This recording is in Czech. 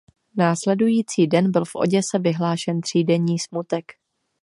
Následující den byl v Oděse vyhlášen třídenní smutek.